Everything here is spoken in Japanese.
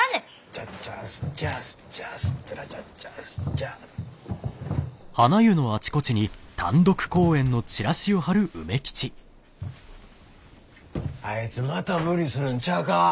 チャッチャッスッチャスッチャスッチャラチャッチャスチャ・あいつまた無理するんちゃうか？